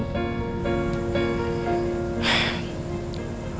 ngeliat papa kamu kayak tadi